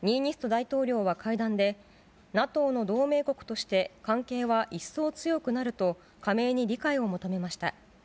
大統領は会談で、ＮＡＴＯの同盟国として関係は一層強くなると、加盟に理解を求めました。